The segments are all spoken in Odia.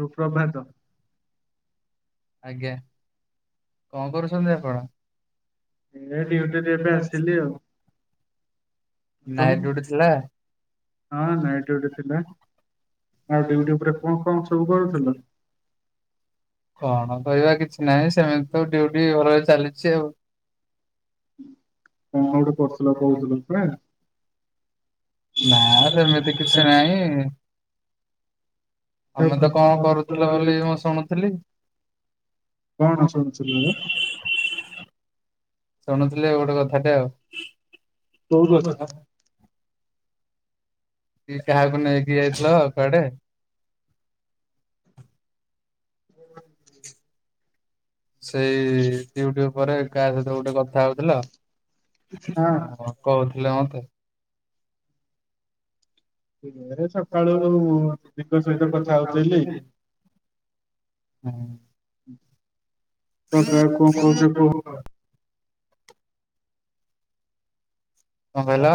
ରୁପ୍ରଭାତ। ଆଜ୍ଞା। କଣ କରୁଛନ୍ତି ଆପଣ ଏ ଡ୍ୟୁଟିରେ ଏବେ [inaudible] ତୁମ୍ ନାଇଟ୍ ଡ୍ୟୁଟି ଥିଲା ହଁ ନାଇଟ୍ ଡିଉଟି ଥିଲା। ଆଉ ଡିଉଟି ଉପରେ କଣ କଣ ସବୁ କରୁଥିଲୁ? କଣ କରିବା କିଛି ନାହିଁ ସେମିତି ତ ଡିଉଟି ଭଲରେ ଚାଲିଛି ଆଉ। କଣ ଗୋଟେ କରୁଥିଲ କହୁଥିଲ ପରା। ନା ସେମିତି କିଛି ନାହିଁ। ତମେ ତ କଣ କରୁଥିଲ ବୋଲି ମୁଁ ଶୁଣୁଥିଲି। [inaudible] କଣ ଶୁଣୁଥିଲୁ ରେ? ଶୁଣୁଥିଲି ଗୋଟେ କଥାଟେ ଆଉ। କୋଉ କଥା? କି କାହାକୁ ନେଇକି ଯାଇଥିଲ କୁଆଡେ? ସେଇ ଡିଉଟି ଉପରେ କାହା ସହିତ ଗୋଟେ କଥା ହଉଥିଲ? କହୁଥିଲେ ମତେ। ସେ ମାରେଜ୍ ସକାଳୁ କଣ ଦିଗ ସହିତ କଥା ହଉଥିଲି। ତାପରେ ଆଉ କଣ କହୁଛ କୁହ? [inaudible] କଣ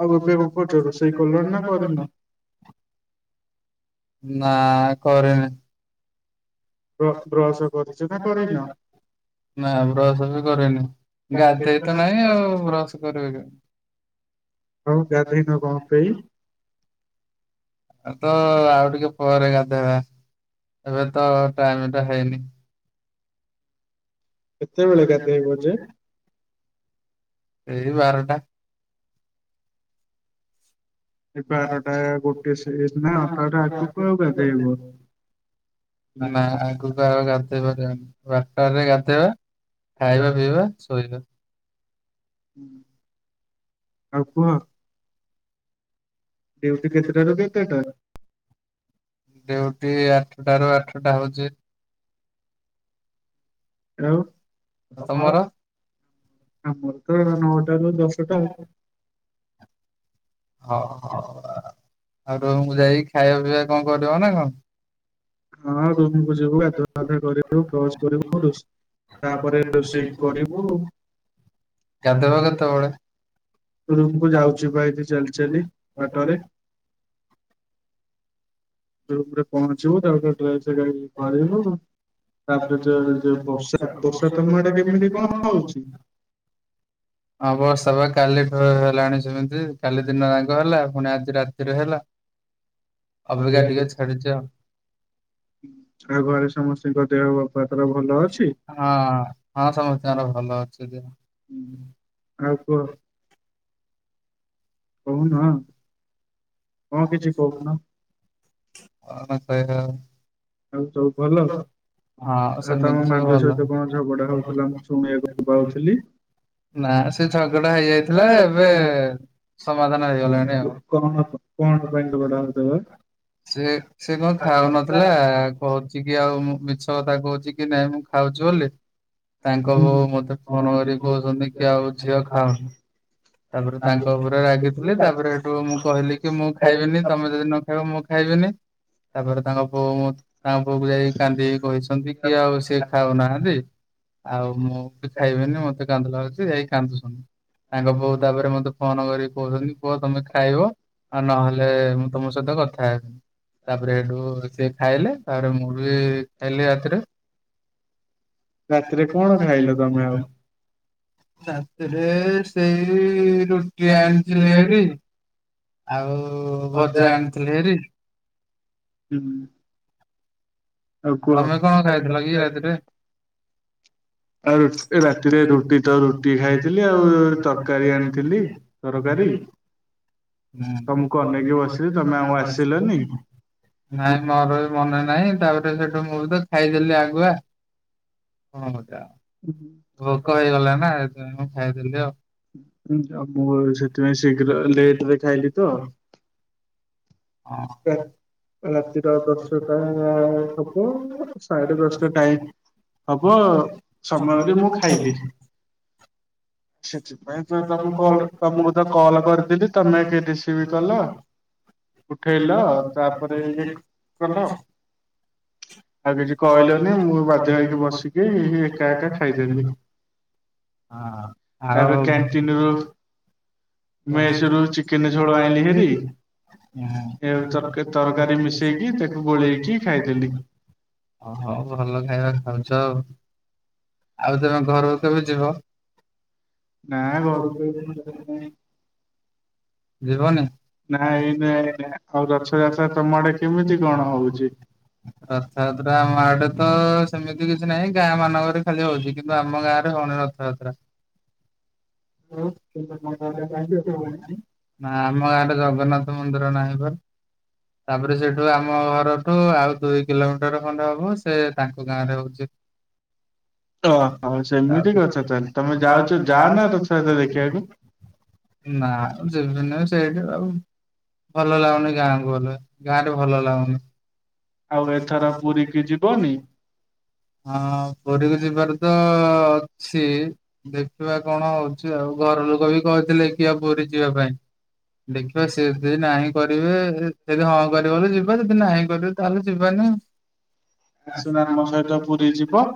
ଆଉ ଏବେ କହିଲ କଣ କରୁଛ ରୋଷେଇ କଲଣି ନା କରିନ? [inaudible] ନା କରିନି। ବ୍ର ବ୍ରସ୍ କରିଛ ନା କରିନ? ନାଁ ବ୍ରସ୍ ବି କରିନି। ଗାଧେଇ ତ ନାହିଁ ଆଉ ବ୍ରସ୍ କରିବି କେମିତି? ଆଉ ଗାଧେଇନ କଣ ପାଇଁ? ଏ ତ ଆଉ ଟିକେ ପରେ ଗାଧେଇବା ଏବେ ତ ଟାଇମ୍ ଟା ହେଇନି। କେତେବେଳେ ଗାଧେଇବ ଯେ? ଏ ବାରଟା। ଏ ବାରଟା ଗୋଟେ ସେ ନା ଅଟାଟେ ଆଗକୁ ଗାଧେଇବ? ନା ଆଗକୁ ଗା ପାରିବାନି ବାରଟାରେ ଗାଧେଇବା ଖାଇବା ପିଇବା ଶୋଇବା। ଆଉ କୁହ। ଡିଉଟି କେତେଟାରୁ କେତେଟା? ଡିଉଟି ଆଠଟା ରୁ ଆଠଟା ହଉଛି। ଆଉ ତମର ଆମର ତ ନଅଟାରୁୁ ଦଶଟା ଆଉ। ହଉ ହଉ ଆଉ ରୁମ୍ କୁ ଯାଇକି ଖାଇବା ପିଇବା କଣ କରିବ ନା କଣ? ହଁ ରୁମ୍ କୁୁ ଯିବୁ ଗାଧୁଆ ପାଧୁଆ କରିବୁ ବ୍ରସ୍ କରିବୁ ରୋଷେଇ ତାପରେ ରୋଷେଇ କରିବୁ। ଗାଧଇବ କେତେବେଳେ? ରୁମକୁୁ ଯାଉଛି ପା ଏଇଠି ଚାଲି ଚାଲି ବାଟରେ ରୁମ୍ ରେ ପହଞ୍ଚିବୁ ତାପରେ ଡ୍ରେସ୍ କାଢିକି କରିବୁ। ତାପରେ ଯ ଯୋଉ ବର୍ଷା ବର୍ଷା ତମ ଆଡେ କେମିତି କଣ ହଉଛି? ହଁ ବର୍ଷା ବା କାଲିଠୁ ହେଲାଣି ସେମିତି କାଲି ଦିନ ଯାଙ୍କ ହେଲା ପୁଣି ଆଜି ରାତିରେ ହେଲା। ଅବିକା ଟିକେ ହଉଛି? ଛାଡିଚି ଆଉ। ଆଉ ଘରେ ସମସ୍ତଙ୍କ ଦେହ ବାପା ତୋର ଭଲ ଅଛି? ହଁ। ହଁ ସମସ୍ତଙ୍କର ଭଲ ଅଛି ଦେହ। ହୁଁ ଆଉ କୁହ। କହୁନ। କଣ କିଛି କହିବା କହୁନ ଆଉ? ଆଉ ସବୁ ଭଲ। ହଁ ଆଉ ହଁ ଆରେ ତମ ସେମିତି ସବୁ ମାଣ୍ଡୁ ଭଲ। ସହିତ କଣ ଝଗଡା ହଉଥିଲା ମୁଁ ଶୁଣିବାକୁ ପାଉଥିଲି। ନା ସେ ଝଗଡା ହେଇଯାଇଥିଲା ଏବେ କଣ ସମାଧାନ ହେଇଗଲାଣି କଣ ଆଉ। ପାଇଁ ଝଗଡା ହଉଥିଲା? ସେ ସେ କଣ ଖାଉନଥିଲା କହୁଚି କି ଆଉ ମିଛ କଥା କହୁଛି କି ନାଇଁ ମୁଁ ଖାଉଛୁ ବୋଲି। ତାଙ୍କ ବୋଉ ମୋତେ ଫୋନ କରି କହୁଛନ୍ତି କି ଆଉ ଝିଅ ଖାଉନି। ତାପରେ ତାଙ୍କ ଉପରେ ରାଗିଥିଲି ତାପରେ ହେଠୁ ମୁଁ କହିଲି କି ମୁଁ ଖାଇବିନି ତମେ ଯଦି ନ ଖାଇବ ମୁଁ ଖାଇବିନି। ତାପରେ ତାଙ୍କ ବୋଉ ମୁଁ ତାଙ୍କ ବୋଉକୁ ଯାଇକି କାନ୍ଦିକି କହିଛନ୍ତି କି ଆଉ ସିଏ ଖାଉନାହାନ୍ତି ଆଉ ମୁଁ ଖାଇବିନି ମତେ କାନ୍ଦଲାଗୁଛି ଯାଇ କାନ୍ଦୁଛନ୍ତି ତାଙ୍କ ବୋଉ ତାପରେ ମୋତେ ଫୋନ କରିକି କହୁଛନ୍ତି ପୁଅ ତମେ ଖାଇବ। ଆଉ ନହେଲେ ମୁଁ ତମ ସହିତ କଥା ହେବିନି। ତାପରେ ହେଠୁ ସେ ଖାଇଲେ ତାପରେ ମୁଁ ବି ଖାଇଲି ରାତିରେ। ରାତିରେ କଣ ଖାଇଲ ତମେ ଆଉ? ରାତିରେ ସେଇ ରୁଟି ଆଣିଥିଲି ହେରି। ଆଉ ଭଜା ଆଣିଥିଲି ହେରି। ହୁଁ। ଆଉ କୁହ ଆଉ ତମେ କଣ ଖାଇଥିଲ କି ରାତିରେ? ଆଉ ରାତିରେ ରୁଟି ତ ରୁଟି ଖାଇଥିଲି ଆଉ ହୁଁ। ତରକାରୀ ଆଣିଥିଲି। ତରକାରୀ। ତମକୁ ଅନେଇକି ବସିଲି ତମେ ଆଉ ଆସିଲନି। ହୁଁ। ନାଇଁ ମୋର ବି ମନେ ନାହିଁ ତାପରେ ସେ ସେଠୁ ମୁଁ ବି ତ ଖାଇଦେଲି ଆଗୁଆ ହନ୍ତା। ଭୋକ ହେଇଗଲା ନା ମୁଁ ଖାଇଦେଲି ଆଉ। ଆଉ ମୋର ସେଥିପାଇଁ ଶୀଘ୍ର ଲେଟେ ରେ ଖାଇଲି ତ। ହଁ। ରା- ରାତିର ଦଶଟା ହଁ। ହବ ସାଢେ ଦଶଟା ଟାଇମ୍ ହବ ସମୟରେ ମୁଁ ଖାଇଦିଏ। ତମକୁ କଲ ତମକୁ ତ କଲ କରିଥିଲି ତମେ କେହି ରିସିଭ କଲ। [inaudible] ଉଠେଇଲ ତାପରେ ଇଏ କଲ। କହିଲନି ମୁଁ ଭଜା ହେଇକି ବସିଥିଲି ଏକା ଏକା ଖାଇଦେଲୁ। ହଁ। ତାପରେ ଆଉ କ୍ୟାଣ୍ଟିନ ରୁ ମେସରୁ ମେସ ରୁ ମେସରୁ ଚିକେନ ଚିକେନ୍‌ ଝୋଳ ଆଣିଲି ଆଣି ହେରି ହେଇଥିଲୁ। ଏ ତରକା- ତର ତରକାରୀ ମିଶେଇକି ମିସେଇକି ତାକୁ ଗୋଳେଇକି ଗୋଳେଇ କି ଖାଇ ଖାଇଦେଲି ଦେଲୁ। ଓ ହୋଉ ଭଲ ଖାଇବା ଖାଉଛ ଆଉ ଆଉ ତମେ ଘର କୁ କେବେ ଯିବ। ନା ଘରକୁ ଆଉ ମୁଁ ଯାଇନି। ଯିବନି। ନା ଏଇନା ଏଇନା ହଉ ରଥ ଜାତ୍ରା ତମଆଡେ କେମିତି କଣ ହଉଛି। [unintelligible] ରଥାଯାତ୍ରା ଆମ ଆଡେ ତ ସେମିତି କିଛି ନାହିଁ ଗାଁ ମାନଙ୍କରେ ଖାଲି ହଉଛି କିନ୍ତୁ ଆମ ଗାଁରେ ହଉନି ରଥ ଯାତ୍ରା। କାହିଁକି ହଉନାହିଁ? ଆମ ଆଡେ ଜଗନ୍ନାଥ ମନ୍ଦିର ନାହିଁ ପା। ତାପରେ ସେଠୁ ଆମ ଘରଠୁ ଆଉ ଦୁଇ କିଲୋମିଟର ଖଣ୍ଡେ ହବ ସେ ତାଙ୍କ ଗାଁ ରେ ହଉଛି। ଓହୋ ସେମିତି କଥା ତାହେଲେ ତମେ ଯାଉଛ ଯା ନା ରଥଯାତ୍ରା ଦେଖିବାକୁ? [unintelligible] ନା [unintelligible] ସେଇଠି ଆଉ ଭଲ ଲାଗୁନି ଗାଁକୁ ଗଲେ, ଗାଁ ରେ ଭଲ ଲାଗୁନି। ଆଉ ଏଥର ପୁରୀକି ଯିବନି? ହଁ ପୁରୀକୁ ଯିବାର ତ ଅଛି, ଦେଖ ଖିବା କଣ ହଉଛି ଆଉ ଘର ଲୋକ ବି କହିଥିଲେ କି ଆ ପୁରୀ ଯିବା ପାଇଁ। ଦେଖିବା ସିଏ ଯଦି ନାହିଁ କରିବେ ଯଦି ହଁ କରିବ ଯିବା ଯଦି ନାହିଁ କରିବେ ତାହେଲେ ଯିବାନି। ଆସୁନ ଆମ ସହିତ ପୁରୀ ଯିବ।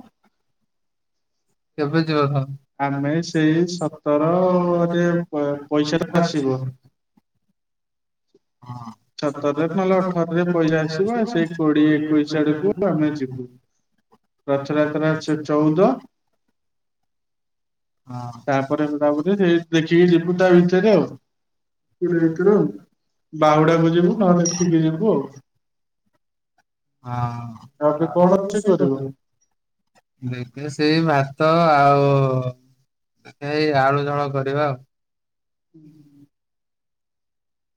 କେବେ ଯିବ ତମେ? ଆ ଆମେ ସେଇ ସତରରେ ସକାଳମାନେ ପଇସାରେ ପଇସା ଟା ଆସିବ। ଅଛି। ହଁ। ସତର କି ଅଠର ରେ ପଇସା ଆସିବ ସେ କୋଡିଏ ଏକୋଇଶି ଆଡକୁ ଆମେ ଯିବା। ତାପରେ ରଥଯାତ୍ରା ଏଥର ଚଉଦ [unintelligible] ହଁ ତାପରେ ତାପରେ ସେଇ [unintelligible] ଦେଖିକି ଯିବୁ ତା ଆଉ ଭିତରେ ଆଉ। [unintelligible] କୋଡିଏ ଭିତରେ ଆଉ ବାହୁଡାକୁ ବାହୁଡାକୁ ଯିବୁ ନହେଲେ ଏଠିକି ଯିବୁ ନହେଲ ଆଉ। [unintelligible] ଏବେ କଣ ରୋଷେଇ କରିବ? ହଁ। ଦେଖିଆ ସେଇ ଭାତ ଆଉ ସେଇ ଆଳୁ ଝୋଳ କରିବା। ହୁଁ ହୁଁ।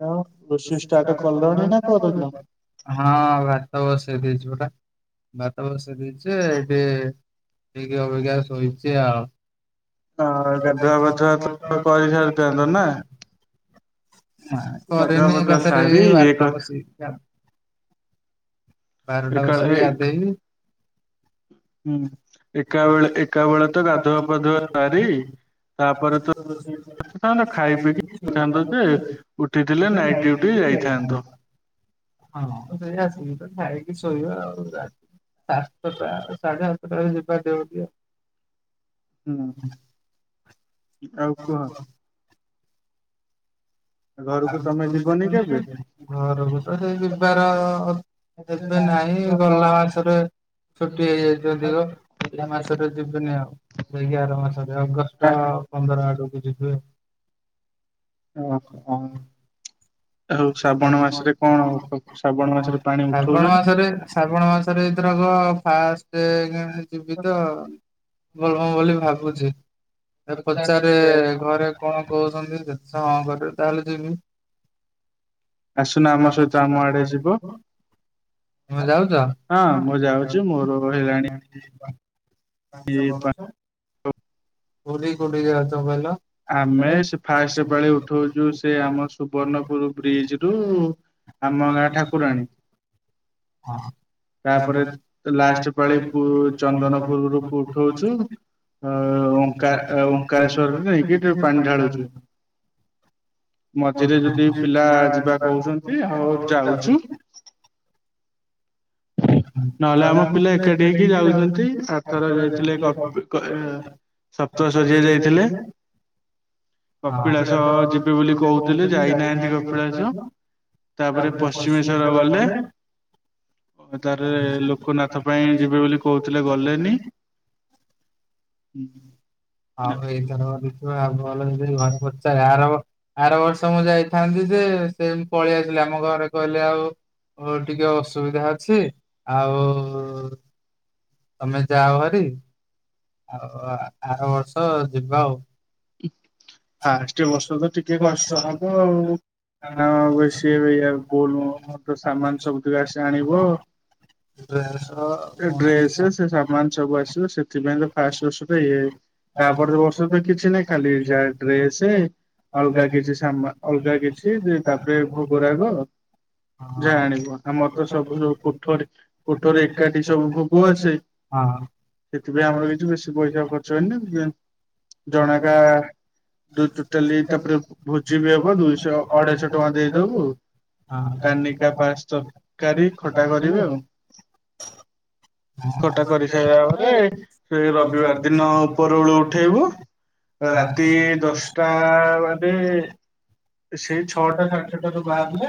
ଆଉ ରୋଷେଇ ଷ୍ଟାର୍ଟ କଲଣି ନା କରିନ? ହଁ ଭାତ ବସେଇ ଦେଇଚୁ ପରା। ବାତ ବସେଇ ଦେଇଚି ଏଠି ଟିକେ ଅବିକା ଶୋଇଚି ଆଉ। ହଁ ଗାଧୁଆବାଧୁଆ ତ କରିସାରିଥାନ୍ତ ନା। ନା ଗାଧୁଆ କରିନି ପାଧୁଆ ଏଗାର ଟା ସାରି ରେ ଇଏ ବାର ଟା କରି ବସିକି। ବାରଟା ଏକାଳେ ବସିକି ହୁଁ ଗାଧେଇବି। ହୁଁ ଏକା ବେଳେ ଏକା ବେଳେ ତ ଗାଧୁଆ ପାଧୁଆ ସାରି ତାପରେ ତଥାନ୍ତ ଖାଇ ପିଇକିଥାନ୍ତ ଯେ ଉଠିଥିଲେ ନାଇଟ ଡି ଟି ଯାଇଥାନ୍ତ। ହଁ ତ ସେୟା ଖାଇକି ଶୋଇବା ଆଉ ସାତଟା ସାଢେ ସାତଟାଳେ ଯିବା ଡିଉଟି। ହୁଁ ଆଉ କୁହ। ଘରକୁ ତମେ ତ ଯିବନି କେବେ? ସେଇ ଯିବାର ଏବେ ନାଇଁ ଗଲା ମାସରେ ଛୁଟି ହେଇଯାଇଚି ଅଧିକ, ଏଇ ମାସରେ ଯିବିନି ଆଉ ଯାଇକି ଆର ମାସରେ ଆ ଅଗଷ୍ଟ ପନ୍ଦର ଆଡକୁ ଜିିବି। ଓ ହଁ। କଣ ମାସରେ ପାଣି ଶ୍ରାବଣ ଉଠଉଛନ୍ତି ମାସରେ ଶ୍ରାବଣ ମାସରେ ଏ ଧରକ ଫାଷ୍ଟ ଯିବି ତ ବୋଲ ବମ୍ ବୋଲି ଭାବୁଛି, ଏ ପଚାରେ ଘରେ କଣ କହୁଛନ୍ତି ଯଦି ସେ ହଁ କରିବେ ତାହେଲେ ଯିବି। ଆସୁନ ଆମ ସହିତ ଆମ ଆଡେ ଯିବ। ତୁମେ ଯାଉଛ? ହଁ ମୁଁ ଯାଉଛି ମୋର ହେଲାଣି ପା- କୋଉଠୀକି କୋଉଠିକି ଯାଉଛ କହିଲ? ଆମେ ସେ ଫାଷ୍ଟ ପାଳି ଉଠଉଛୁ ସେ ଆମ [unintelligible] ସୁବର୍ଣ୍ଣପୁର ବ୍ରିଜ ରୁ ବିଜୁ ଆମ ଗାଁ ଠାକୁରାଣୀ ହଁ। ତାପରେ ଲାଷ୍ଟ ପାଳି ପୁ ଚନ୍ଦନପୁରରୁ ପୁ ଉଠଉଛୁ। ଓମ୍ କା ଓଙ୍କାରଶ୍ଵରରେ ନେଇକି ଟିକେ ପାଣି ଢାଳୁଛୁ। ମଝିରେ ଯଦି ପିଲା ନହେଲେ ଯିବା କହୁଛନ୍ତି ହଉ ଯାଉଛୁ। ନହେଲେ ଆମ ପିଲା ଏକାଠି ହେଇକି ଯାଉଛନ୍ତି ଆରଥର ଯାଇଥିଲେ କପ୍ ହେ ସପ୍ତ ଶଯ୍ୟା ଯାଇଥିଲେ। କପିଳାସ ଯିବେ ବୋଲି କହୁଥିଲେ ଯାଇନାହାନ୍ତି କପିଳାସ। ତାପରେ ପଶ୍ଚିମେଶ୍ଵର ଗଲେ ଏ ତାପରେ ଲୋକ ନାଥ ପାଇଁ ଯିବେ ବୋଲି କହୁଥିଲେ ଗଲେନି। ହଉ ଏଇଥରକ ଦେଖିବା ଆଉ ଭଲ କି ଘରେ ପଚାରେ ଆର ବର୍ଷ ମୁଁ ଯାଇଥାନ୍ତି ଯେ ସେ ପଳେଇ ଆସିଲି ଆମ ଘରେ କହିଲେ ଆଉ ଉ ଟିକେ ଅସୁବିଧା ଅ ଅଛି ଆଉ ତମେ ଯାଅ ହାରି ଆଉ ଆ ଆରବର୍ଷ ଯିବା ଆଉ। ଫାଷ୍ଟ ବର୍ଷ ତ ଟିକେ କଷ୍ଟ ହବ ଆଉ। ଆମ ମାନେ ସିଏ ବି [unintelligible] ଡେସ ଆଣିବୁ। ପୁଣି ଡ୍ରେସ ସେ ସାମାନ ସବୁ ଆସିବ ସେଥିପାଇଁ ତ ଫାଷ୍ଟ ବର୍ଷ ତ ଏଇଆ ହିଁ ହଁ। ତାପରେ ବର୍ଷ ତ କିଛି ନାହିଁ ଖାଲି ଯାହା ଡ୍ରେସ ଅଲଗା କିଛି ଶାମାନ ଅଲଗା କିଛି ତାପରେ ଭୋଗ ରାଗ ଜାଣିବୁ ଆମର ତ ସବୁ ଯଉ କୋଠରୀ କୋଠରୀ ଏକାଠି ସବୁ ଭୋଗ ଆସେ। ସେଥିପାଇଁ ଆମର କିଛି ବେଶୀ ପଇସା ଖର୍ଚ୍ଚ ହେଇନି ଜେନ୍ ଜଣକା ଦୁଇ [unintelligible] ଟୋଟାଲି ଅଢେଇସ ତାପରେ ଭୋଜି ବି ଟଙ୍କା ହବ ଦେଇଦବୁ। [unintelligible] ଦୁଇଶହ ହଁ ଅଢେଇଶହ ରବିବାର ଟଙ୍କା ଦିନ ଦେଇଦବୁ ଯାଇହବନି କାନିକା ପାସ୍ ତରକାରୀ ଖଟା କରିବେ ରବିବାର ଆଉ ଖଟା କରିସାରିଲା ପରେ ସେ ରବିବାର ଦିନ ଉପର ଉପରବେଳୁ ଓଳି ଉଠେଇବୁ। ରାତି ଦଶଟା ମାନେ ସେଇ ଛଅଟା ସାଢ଼େ ଛଅ ଟାରୁ ବାହାରିଲେ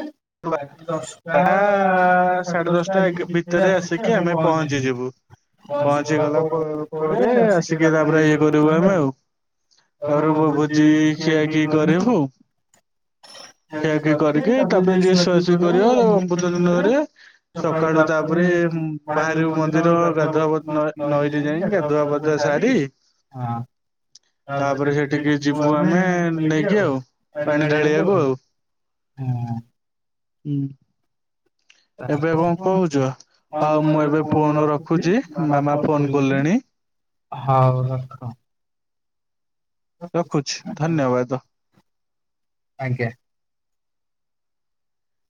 ରାତି ଦଶ ଟା ସାଆ ସାଢେ ଦଶଟା ଏଇ ଭିତରେ ଆସିକି ଆମେ ପହଞ୍ଚିଲୁ। ପହଞ୍ଚି ପହଞ୍ଚିଗଲା ଗଲା ପ ପରେ ଆସିିକି ଆସିକି କହିଲା ତାପରେ ଇଏ [unintelligible] କରିବୁ ତମେ ଆମେ ଆଉ କଣ ଭୋଜି ଖିଆ ଖୀ କରିବୁ। ତି ଖିଆଖିଇ କରିବି କରିକି ତାପରେ ଯିଏ ସୁଆ ସୁଈ ଶୁଆଶୁଇ କରିବ। ତାକୁ ଅମୃତଜନ କରିବେ। [unintelligible] [unintelligible] ତାପରେ ସକାଳୁ ତାପରେ ବାହାରିବୁ ମନ୍ଦିର ଗାଧୁଆ ନ ନଈରେ ଯାଇ ଗାଧୁଆ ପାଧୁଆ ସାରି ଯିବୁ ଆମେ ଆଉ ପାଣି ଢାଳି ବାକୁ ଢାଳିବାକୁ ଆଉ ହଁ। ହୁଁ। ଏବେ କଣ ଆଉ କହୁଛ ହଁ ମୁଁ ଏବେ ଫୋନ ରଖୁଛି ବାବା ମାମା ଫୋନ କରୁଛନ୍ତି କଲେଣି। ହଉ ରଖ। ରଖୁଛି ଧନ୍ୟବାଦ। ଆଜ୍ଞା।